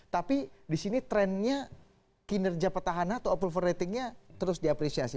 tapi di sini trendnya kinerja petahana atau approval ratingnya terus diapresiasi